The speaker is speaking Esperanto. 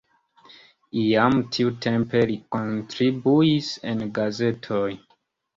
Jam tiutempe li kontribuis en gazetoj.